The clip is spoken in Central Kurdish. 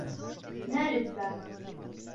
مەرد بە.